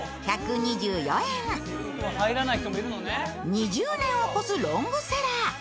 ２０年を超すロングセラー。